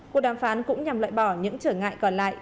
cuộc đàm phán cũng nhằm loại bỏ những trở ngại còn lại